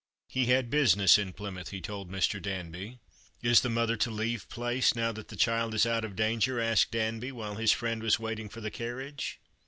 He had business in Plymouth, he told ^Ir. Dauby. " Is the mother to leave Place now that the child is out of danger ?" asked I)anl)y, while his friend was waiting for the carriage.